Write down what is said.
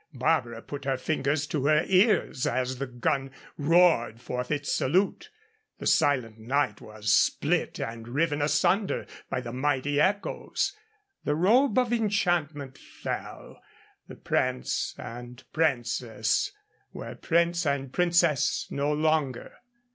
Barbara put her fingers to her ears as the gun roared forth its salute. The silent night was split and riven asunder by the mighty echoes; the robe of enchantment fell, the prince and princess were prince and princess no longer.